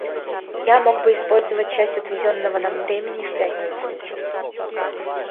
Я мог бы использовать часть отведенного нам времени в пятницу.